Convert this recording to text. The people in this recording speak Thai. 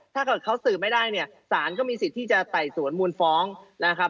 ถ้าเกิดเขาสืบไม่ได้เนี่ยสารก็มีสิทธิ์ที่จะไต่สวนมูลฟ้องนะครับ